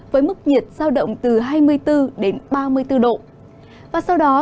với mức nhiệt giao động từ hai mươi bốn đến ba mươi bốn độ